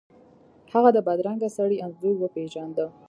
هغه د بدرنګه سړي انځور وپیژنده.